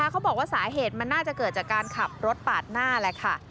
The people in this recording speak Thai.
เขาบอกว่าสาเหตุมันน่าจะเกิดจากการขับรถปาดหน้าแหละค่ะ